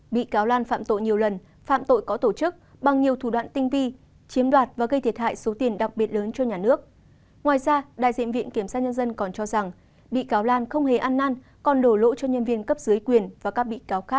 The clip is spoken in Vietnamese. bị cáo lan không hề ăn năn còn đổ lỗ cho nhân viên cấp dưới quyền và các bị cáo khác ở scb